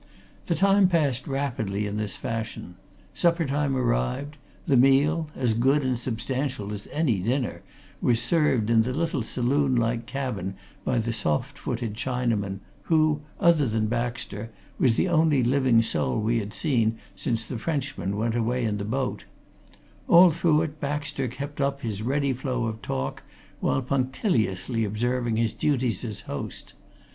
The time passed rapidly in this fashion; supper time arrived; the meal, as good and substantial as any dinner, was served in the little saloon like cabin by the soft footed Chinaman who, other than Baxter, was the only living soul we had seen since the Frenchman went away in the boat; all through it Baxter kept up his ready flow of talk while punctiliously observing his duties as host.